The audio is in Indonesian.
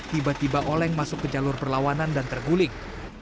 tiba tiba oleng masuk ke jalur perlawanan dan terguling